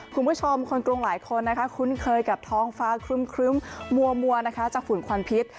คุณผู้ชมคุณกรุงหลายคนคุ้นเคยกับท้องฟ้าคลื่มมัวจากฝุ่นควรพิต